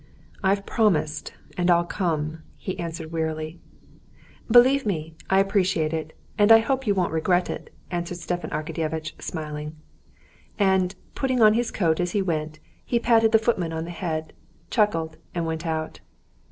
"I've promised, and I'll come," he answered wearily. "Believe me, I appreciate it, and I hope you won't regret it," answered Stepan Arkadyevitch, smiling. And, putting on his coat as he went, he patted the footman on the head, chuckled, and went out.